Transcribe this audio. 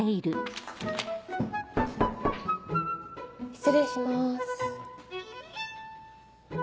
失礼します。